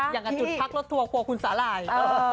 อย่างกันจุดพักรถทั่วครัวคุณสาลาย